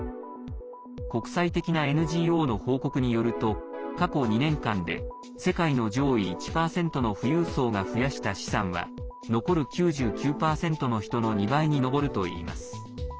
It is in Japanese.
国際的なＮＧＯの報告によると過去２年間で世界の上位１％の富裕層が増やした資産は残る９９％の人の２倍に上るといいます。